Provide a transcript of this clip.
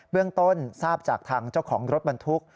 เรื่องต้นทราบจากทางเจ้าของรถบรรทุก